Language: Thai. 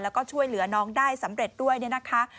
แล้วก็ช่วยเหลือน้องได้สำเร็จด้วยเนี่ยนะคะ